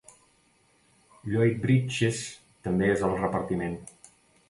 Lloyd Bridges també és al repartiment.